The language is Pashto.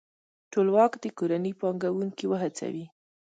ټولواک دې کورني پانګوونکي وهڅوي.